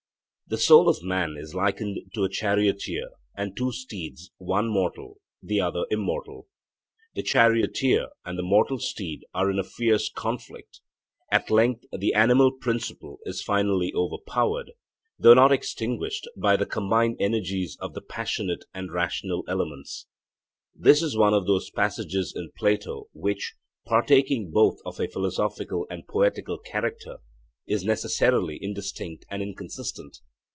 The soul of man is likened to a charioteer and two steeds, one mortal, the other immortal. The charioteer and the mortal steed are in fierce conflict; at length the animal principle is finally overpowered, though not extinguished, by the combined energies of the passionate and rational elements. This is one of those passages in Plato which, partaking both of a philosophical and poetical character, is necessarily indistinct and inconsistent.